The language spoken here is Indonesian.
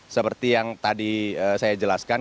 seperti yang tadi saya jelaskan